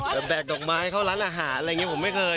แบบแบบดอกไม้เข้าร้านอาหารอ่ะผมไม่เคย